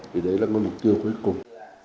thì đấy là mục tiêu cuối cùng